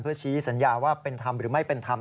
ชี้สัญญาว่าเป็นธรรมหรือไม่เป็นธรรม